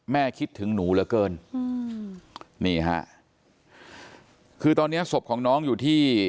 คิดถึงหนูเหลือเกินอืมนี่ฮะคือตอนเนี้ยศพของน้องอยู่ที่